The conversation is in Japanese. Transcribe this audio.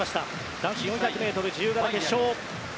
男子４００ｍ自由形決勝。